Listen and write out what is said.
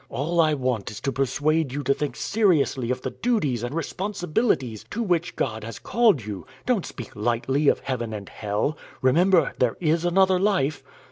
All I want is to persuade you to think seriously of the duties and responsibilities to which God has called you don't speak lightly of heaven and hell remember, there is another life."